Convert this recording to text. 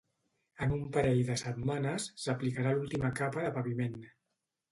En un parell de setmanes, s'aplicarà l'última capa de paviment.